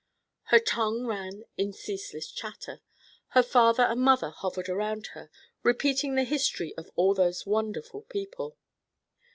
Her tongue ran in ceaseless chatter. Her father and mother hovered around her, repeating the history of all those wonderful people.